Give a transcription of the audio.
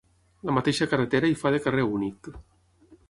La mateixa carretera hi fa de carrer únic.